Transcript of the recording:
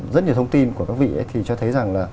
rất nhiều thông tin của các vị thì cho thấy rằng là